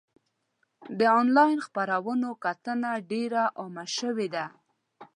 د انلاین خپرونو کتنه ډېر عامه شوې ده.